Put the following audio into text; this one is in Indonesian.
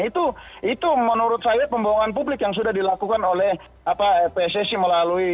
itu menurut saya pembohongan publik yang sudah dilakukan oleh pssi melalui